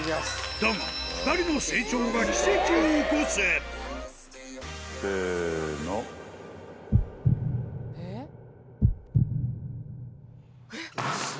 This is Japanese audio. だが、２人の成長が奇跡を起こす。